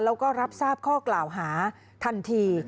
แล้วก็รับทราบข้อกล่าวหาทันที